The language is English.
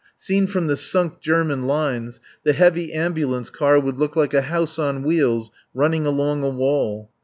Seen from the sunk German lines the heavy ambulance car would look like a house on wheels running along a wall.